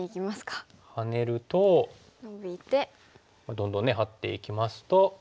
どんどんねハッていきますと。